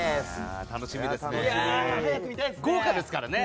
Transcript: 楽しみですね。